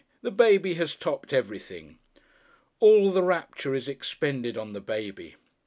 The baby has topped everything. All the rapture is expended on the baby!